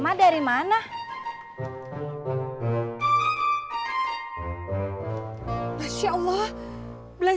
emang darimana asya allah belajar dari aba ketinggalan baik former sini